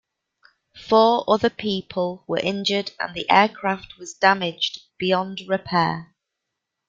Four other people were injured and the aircraft was damaged beyond repair.